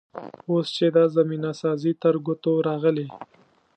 اوس چې دا زمینه سازي تر ګوتو راغلې.